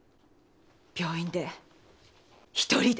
病院で１人で。